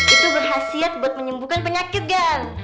itu berhasil buat menyembuhkan penyakit gang